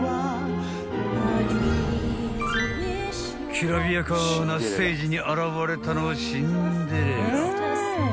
［きらびやかなステージに現れたのは］